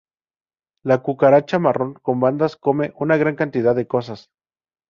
La cucaracha marrón con bandas come una gran cantidad de cosas.